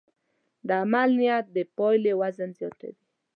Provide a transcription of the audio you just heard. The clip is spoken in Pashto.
د عمل نیت د پایلې وزن زیاتوي.